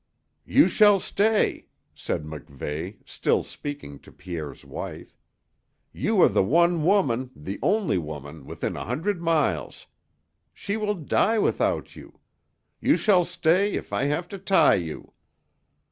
"You shall stay!" said MacVeigh, still speaking to Pierre's wife. "You are the one woman the only woman within a hundred miles. She will die without you. You shall stay if I have to tie you!"